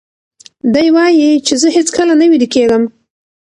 دی وایي چې زه هیڅکله نه ویده کېږم.